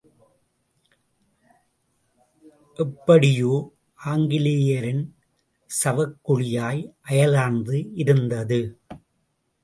எப்படியோ ஆங்கிலேயரின் சவக்குழியாய் அயர்லாந்து இருந்தது.